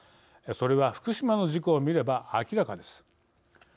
それは福島の事故を見れば明らかです。